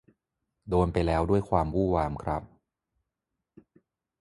โดนไปแล้วด้วยความวู่วามครับ